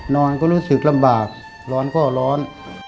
นอนก็รู้สึกลำบากร้อนก็ร้อน